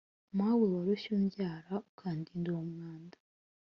Mawe warushye umbyara Ukandinda uwo mwanda